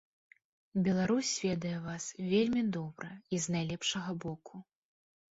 Беларусь ведае вас вельмі добра і з найлепшага боку.